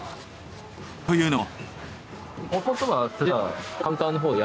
というのも。